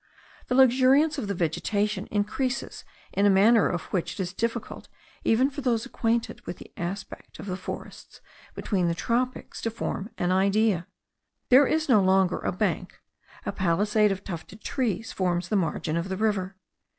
The luxuriance of the vegetation increases in a manner of which it is difficult even for those acquainted with the aspect of the forests between the tropics, to form an idea. There is no longer a bank: a palisade of tufted trees forms the margin of the river.